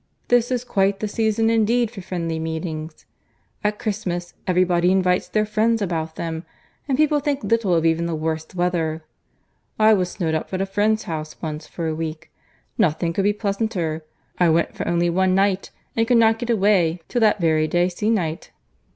This is quite the season indeed for friendly meetings. At Christmas every body invites their friends about them, and people think little of even the worst weather. I was snowed up at a friend's house once for a week. Nothing could be pleasanter. I went for only one night, and could not get away till that very day se'nnight." Mr.